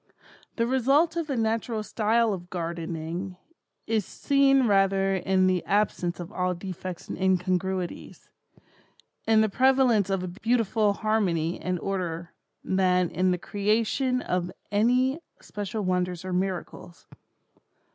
The result of the natural style of gardening, is seen rather in the absence of all defects and incongruities—in the prevalence of a beautiful harmony and order, than in the creation of any special wonders or miracles.